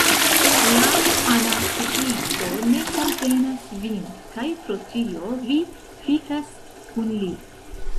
La Anarĥiisto ne komprenas vin, kaj pro tio vi fikas kun li?